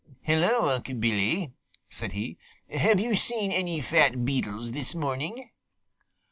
"Hello, Unc' Billy!" said he. "Have you seen any fat beetles this morning?"